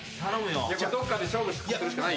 どっかで勝負するしかない。